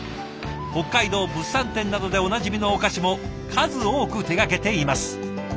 北海道物産展などでおなじみのお菓子も数多く手がけています。